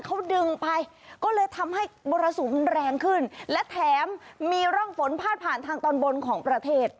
เขาดึงไปก็เลยทำให้มรสุมแรงขึ้นและแถมมีร่องฝนพาดผ่านทางตอนบนของประเทศ